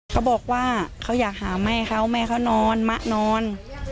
เขาบอกว่าเขาอยากหาแม่เขาแม่เขานอนมะนอน